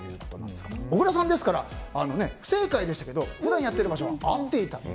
小倉さん、不正解でしたけど普段やっている場所は合っていたと。